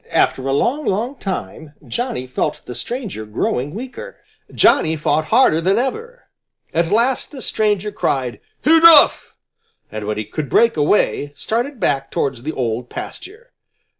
After a long, long time, Johnny felt the stranger growing weaker. Johnny fought harder than ever. At last the stranger cried "Enough!" and when he could break away, started back towards the Old Pasture.